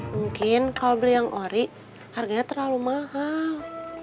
mungkin kalau beli yang ori harganya terlalu mahal